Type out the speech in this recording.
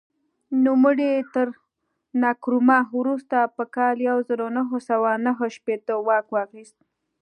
نوموړي تر نکرومه وروسته په کال یو زر نهه سوه نهه شپېته واک واخیست.